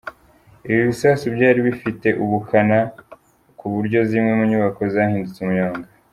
Ibi bisasu byari bifite ubukana ku buryo zimwe mu nyubako zahindutse umuyonga.